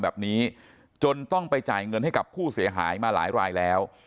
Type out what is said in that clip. แบบนี้จนต้องไปจ่ายเงินให้กับผู้เสียหายมาหลายรายแล้ว